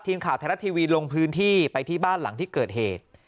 ทีมข่าวไทยรัฐทีวีลงพื้นที่ไปที่บ้านหลังที่เกิดเหตุ